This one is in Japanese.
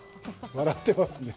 笑ってますね。